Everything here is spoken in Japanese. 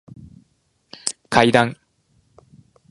階段